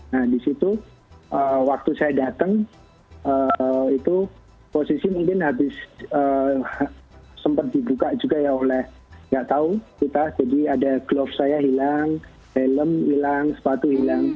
nah di situ waktu saya datang itu posisi mungkin habis sempat dibuka juga ya oleh nggak tahu kita jadi ada glove saya hilang helm hilang sepatu hilang